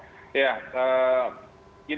ya saya ingin mengucapkan